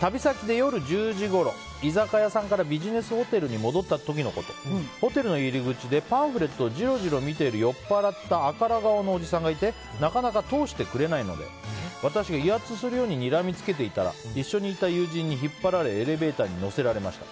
旅先で夜１０時ごろ居酒屋さんからビジネスホテルに戻った時のことホテルの入り口でパンフレットをじろじろ見ている酔っぱらった赤ら顔のおじさんがいてなかなか通してくれないので私が威圧するようににらみつけていたら一緒にいた友人に引っ張られエレベーターに乗せられました。